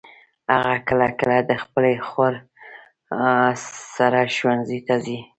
هغه کله کله د خپلي خور سره ښوونځي ته ځي.